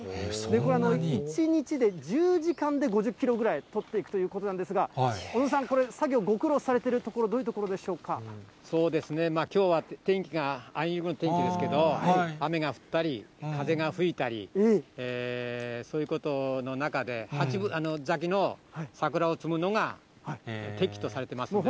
これ、１日で１０時間で５０キロぐらい取っていくということなんですが、小野さん、これ、作業、ご苦労されているところ、どういうところそうですね、きょうは天気があいにくの天気ですけれども、雨が降ったり、風が吹いたり、そういうことの中で、８分咲きの桜を摘むのが適とされてますので。